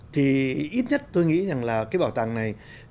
thì ít nhất tôi nghĩ rằng là cái bảo tàng này